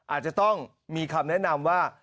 อาจจะต้องมีคำแนะนำว่า